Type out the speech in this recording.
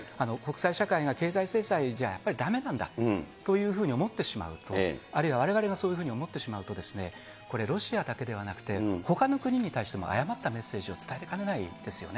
国際社会が経済制裁じゃだめなんだというふうに思ってしまうと、あるいはわれわれもそういうふうに思ってしまうと、これ、ロシアだけではなくて、ほかの国に対しても誤ったメッセージを伝えていくことになります